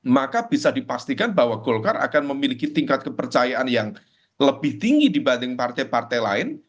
maka bisa dipastikan bahwa golkar akan memiliki tingkat kepercayaan yang lebih tinggi dibanding partai partai lain